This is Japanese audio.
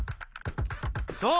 そう。